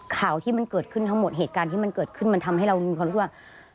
ข่าวที่มันเกิดขึ้นทั้งหมดเหตุการณ์ที่มันเกิดขึ้นมันทำให้เรามีความรู้สึกว่า